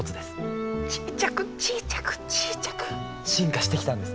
ちいちゃくちいちゃくちいちゃく進化してきたんです。